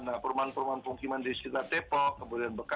nah perumahan perumahan pemungkiman di sekitar depok kemudian di jalan margonda